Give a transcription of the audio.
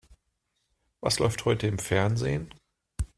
Was läuft heute im Fernsehen?